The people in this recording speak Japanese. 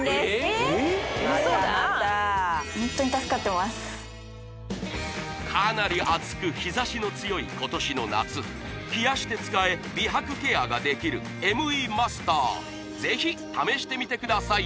ウソだまたかなり暑く日ざしの強い今年の夏冷やして使え美白ケアができるＭＥマスターぜひ試してみてください